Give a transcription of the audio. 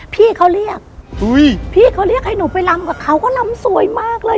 พี่เขาเรียกอุ้ยพี่เขาเรียกให้หนูไปลำกับเขาก็ลำสวยมากเลย